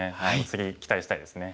次期待したいですね。